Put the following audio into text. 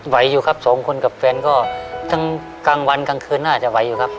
อยู่ครับสองคนกับแฟนก็ทั้งกลางวันกลางคืนน่าจะไหวอยู่ครับ